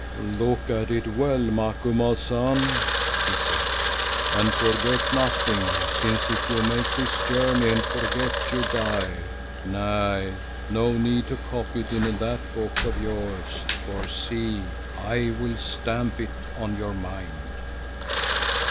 "Look at it well, Macumazahn," he said, "and forget nothing, since if you make this journey and forget, you die. Nay, no need to copy it in that book of yours, for see, I will stamp it on your mind."